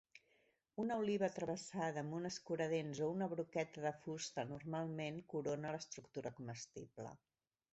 Una oliva travessada amb un escuradents o una broqueta de fusta normalment corona l'estructura comestible.